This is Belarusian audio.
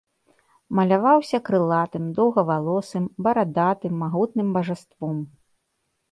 Маляваўся крылатым, доўгавалосым, барадатым, магутным бажаством.